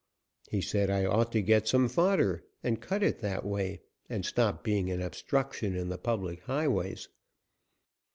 He said I ought to get some fodder and cut it that way and stop being an obstruction in the public highways.